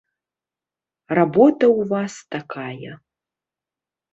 Работа ў вас такая.